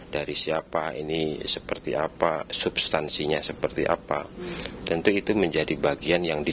juru bicara mahkamah konstitusi fajar laksono menyebut pengajuan amikus korea untuk memilu merupakan fenomena baru di mk